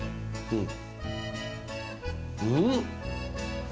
うん！